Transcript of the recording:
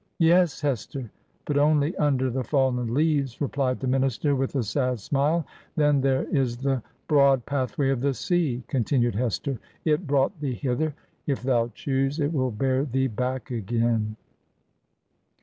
'Yes, Hester; but only under the fallen leaves,' replied the minister, with a sad smile. ' Then there is the broad pathway of the sea!' continued Hester. 'It brought thee hither. If thou choose, it will bear thee back again.